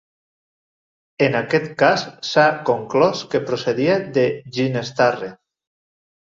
En aquest cas, s'ha conclòs que procedia de Ginestarre.